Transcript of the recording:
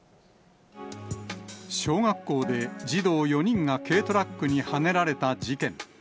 小学校で児童４人が軽トラックにはねられた事件。